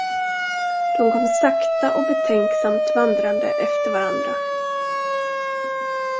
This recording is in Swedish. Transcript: De kom sakta och betänksamt vandrande efter varandra.